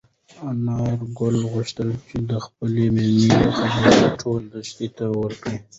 انارګل غوښتل چې د خپلې مېنې خبر ټولې دښتې ته ورکړي.